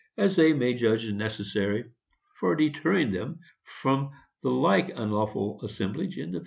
as they may judge necessary for deterring them from the like unlawful assemblage in future."